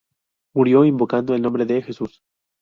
Murió invocando el nombre de Jesús.